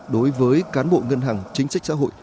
đối với cán bộ ngân hàng chính sách xã hội